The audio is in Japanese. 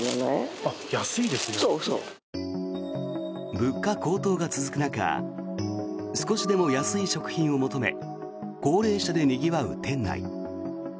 物価高騰が続く中少しでも安い食品を求め高齢者でにぎわう店内。